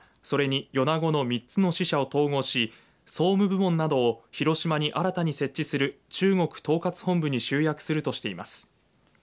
それに米子の３つの支社を統合し総務部門などを広島に新たに設置する中国統括本部に集約するとしています。